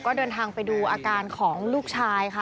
ก็เดินทางไปดูอาการของลูกชายค่ะ